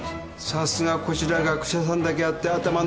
さすがこちら学者さんだけあって頭の回転が速い。